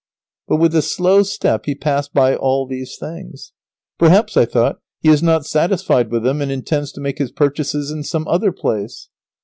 But, with a slow step, he passed by all these things. Perhaps, I thought, he is not satisfied with them and intends to make his purchases in some other place.